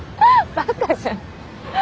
バカじゃん。